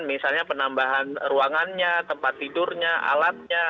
misalnya penambahan ruangannya tempat tidurnya alatnya